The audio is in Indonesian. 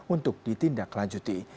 untuk ditindak lanjuti